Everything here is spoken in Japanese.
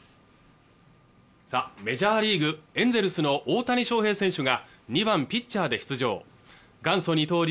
メジャーリーグエンゼルスの大谷翔平選手が２番ピッチャーで出場元祖二刀流